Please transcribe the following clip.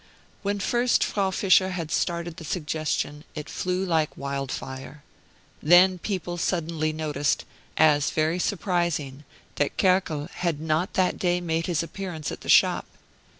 When first Frau Fischer had started the suggestion it flew like wildfire. Then people suddenly noticed, as very surprising, that Kerkel had not that day made his appearance at the shop.